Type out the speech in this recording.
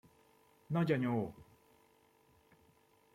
Nagyanyó!